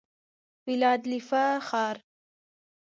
فیلادلفیا ښار